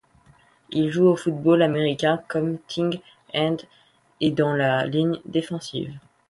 Il joue au football américain comme tight end et dans la ligne défensive.